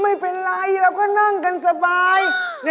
มึงน่าจะเห็นนักแต่นี้แรกนะ